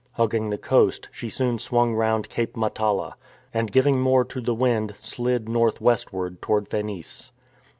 Hug ging the coast, she soon swung round Cape Matala, and giving more to the wind, slid north westward toward Phenice.